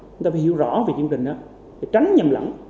chúng ta phải hiểu rõ về chương trình đó để tránh nhầm lẫn